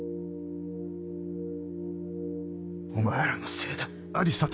お前らのせいだ。